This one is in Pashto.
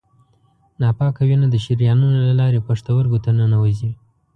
ناپاکه وینه د شریانونو له لارې پښتورګو ته ننوزي.